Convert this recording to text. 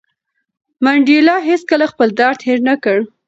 منډېلا هېڅکله خپل درد هېر نه کړ.